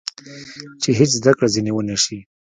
چې هېڅ زده کړه ځینې ونه شي.